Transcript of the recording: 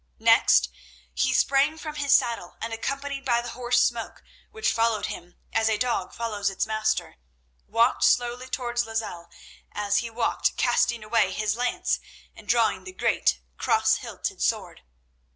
Next he sprang from his saddle, and accompanied by the horse Smoke, which followed him as a dog follows its master, walked slowly towards Lozelle, as he walked casting away his lance and drawing the great, cross hilted sword.